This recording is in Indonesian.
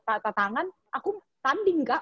tata tangan aku tanding kak